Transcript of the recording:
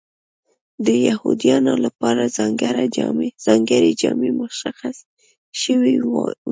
د یهودیانو لپاره ځانګړې جامې مشخصې شوې وې.